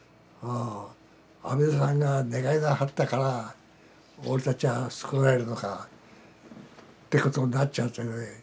阿弥陀さんが願いなはったから俺たちは救われるのかってことになっちゃってね。